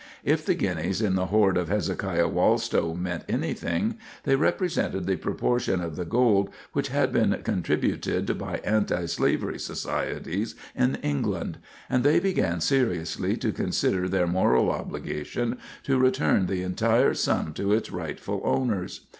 If the guineas in the hoard of Hezekiah Wallstow meant anything, they represented the proportion of the gold which had been contributed by antislavery societies in England; and they began seriously to consider their moral obligation to return the entire sum to its rightful owners.